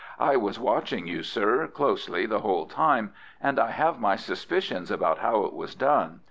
"I was watching you, sir, closely the whole time, and I have my suspicions about how it was done.